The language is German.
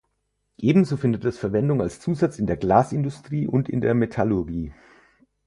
Ebenso findet es Verwendung als Zusatz in der Glasindustrie und in der Metallurgie.